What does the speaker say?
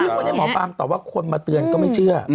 ซึ่งวันนี้หมอปลามตอบว่าคนมาเตือนก็ไม่เชื่อ